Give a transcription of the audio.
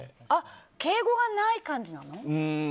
敬語がない感じなの？